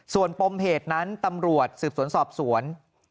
ส่วนปมเหตุนั้นตำรวจสืบสวนสอบสวน